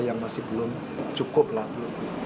yang masih belum cukup laku